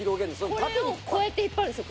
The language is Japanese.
これをこうやって引っ張るんですよ